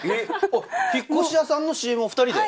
引っ越し屋さんのＣＭを２人で？